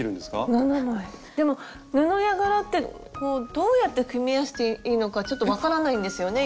でも布や柄ってどうやって組み合わせていいのかちょっと分からないんですよね